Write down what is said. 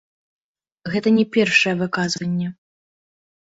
Гэта не першае выказванне.